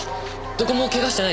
どこも怪我してないか？